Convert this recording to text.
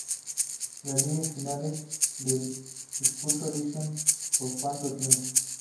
Las líneas finales del discurso dicen "¿Por cuánto tiempo?